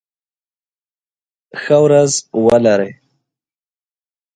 ښه ورځ ولری